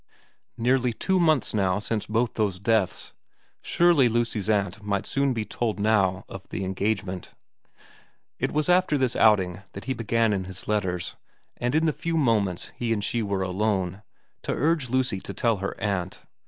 Nearly two months now since both those deaths ; surely Lucy's aunt might soon be told now of the engagement. It was after this outing that he began in his letters, and in the few moments he and she were alone, to urge Lucy to tell her aunt.